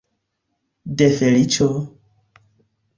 De feliĉo!